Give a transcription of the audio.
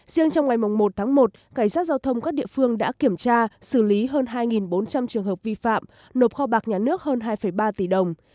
riêng trong ngày một tháng một cảnh sát giao thông các địa phương đã kiểm tra xử lý hơn hai bốn trăm linh trường hợp vi phạm nộp kho bạc nhà nước hơn hai ba tỷ đồng